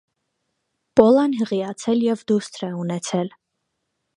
Պոլան հղիացել և դուստր է ունեցել։